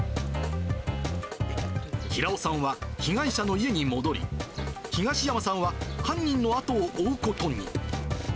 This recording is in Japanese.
平尾さんは被害者の家に戻り、東山さんは犯人の後を追うことに。